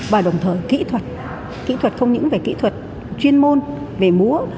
và đồng thời kỹ thuật kỹ thuật không những về kỹ thuật chuyên môn về múa